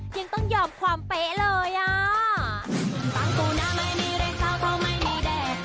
ยังต้องยอมความเป๊ะเลยอ่ะ